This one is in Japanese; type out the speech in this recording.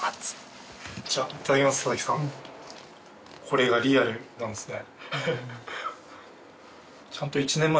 これがリアルなんっすね。